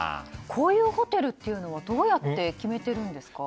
こういうホテルというのはどうやって決めているんですか？